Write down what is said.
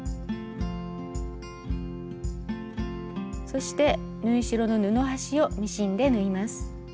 そして縫い代の布端をミシンで縫います。